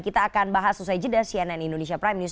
kita akan bahas selesai jeda cnn indonesia prime news